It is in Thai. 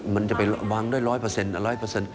มันจะไปวางด้วย๑๐๐